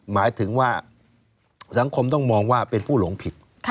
หมายถึงว่าสังคมต้องมองว่าเป็นผู้หลงผิด